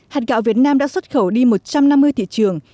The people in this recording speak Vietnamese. hạt gạo việt nam đã xuất khẩu đi một trăm năm mươi thị trường